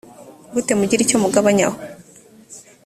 gut mugire icyo mugabanyaho